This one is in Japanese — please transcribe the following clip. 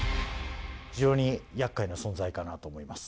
非常にやっかいな存在かなと思います。